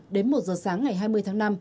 đến một giờ sáng ngày hai mươi tháng năm